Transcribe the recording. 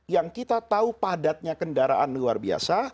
yang kita tahu padatnya kendaraan luar biasa